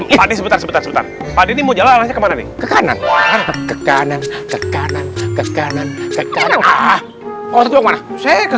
ini sebentar sebentar tadi ini mau jalan kemana nih ke kanan ke kanan ke kanan ke